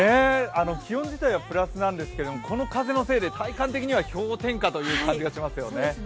気温自体はプラスなんですけれども、この風のせいで体感的には氷点下という感じがしますよね。